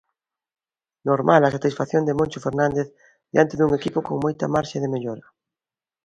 Normal a satisfacción de Moncho Fernández diante dun equipo con moita marxe de mellora.